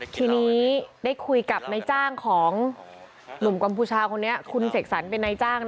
ทีนี้ได้คุยกับนายจ้างของหนุ่มกัมพูชาคนนี้คุณเสกสรรเป็นนายจ้าง